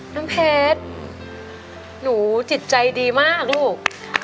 น้ำเพชรหนูจิตใจดีมากลูก